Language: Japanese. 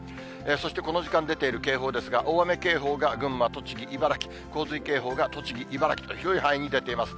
そしてこの時間出ている警報ですが、大雨警報が群馬、栃木、茨城、洪水警報が栃木、茨城と、広い範囲に出ています。